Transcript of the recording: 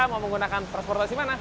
mau menggunakan transportasi mana